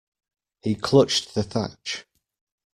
He clutched the thatch.